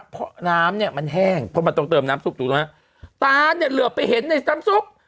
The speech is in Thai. เพราะน้ำเนี่ยมันแห้งพอมาตรงเติมน้ำป๋วยหนึ่งนะตาร์เนี่ยเหลือไปเห็นในน้ำซุป